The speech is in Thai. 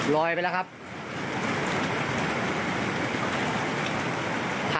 ลดระวังด้วยลดลดระวังด้วยครับ